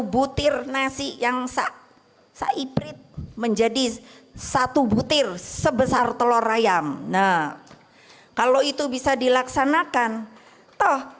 butir nasi yang sahiprit menjadi satu butir sebesar telur ayam nah kalau itu bisa dilaksanakan toh